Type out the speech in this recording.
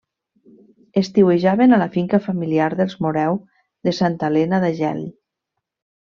Estiuejaven a la finca familiar dels Moreu de Santa Elena d'Agell.